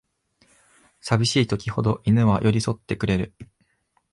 さびしい時ほど犬は寄りそってくれる